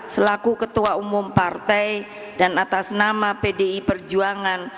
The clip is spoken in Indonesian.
selaku ketua umum partai dan atas nama pdi perjuangan